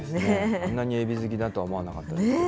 あんなにエビ好きだとは思わなかったです。